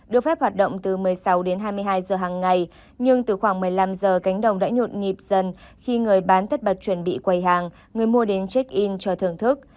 được phép hoạt động từ một mươi sáu đến hai mươi hai giờ hàng ngày nhưng từ khoảng một mươi năm giờ cánh đồng đã nhộn nhịp dần khi người bán tất bật chuẩn bị quầy hàng người mua đến check in chờ thưởng thức